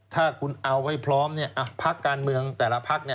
ถ้าคุณเอาไว้พร้อมพักการเมืองแต่ละพัก